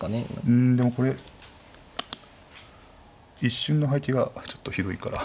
うんでもこれ一瞬の配置がちょっと広いから。